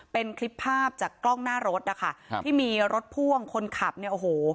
เป็นคลิปภาพจากกล้องหน้ารถนะคะครับที่มีรถพ่วงคนขับเนี่ยโอ้โห